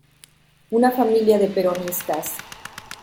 Una familia de peronistas.